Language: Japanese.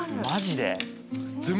マジで？